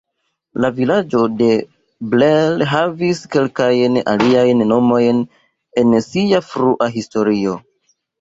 La vilaĝo de Blair havis kelkajn aliajn nomojn en sia frua historio.